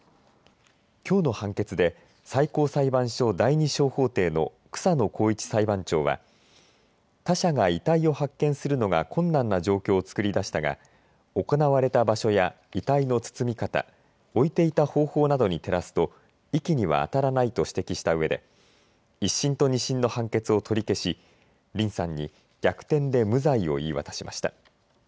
きょうの判決で最高裁判所第２小法廷の草野耕一裁判長は他者が遺体を発見するのが困難な状況を作り出したが行われた場所や遺体の包み方、置いていた方法などに照らすと遺棄にはあたらないと指摘したうえで１審と２審の判決を取り消しリンさんに逆転で無罪を言い渡しました。